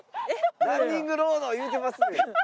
「ランニングロード」言うてますねん。